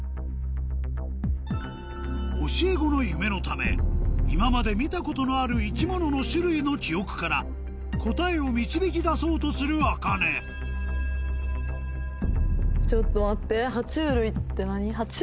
教え子の夢のため今まで見たことのある生き物の種類の記憶から答えを導き出そうとするａｋａｎｅちょっと待っては虫類って何？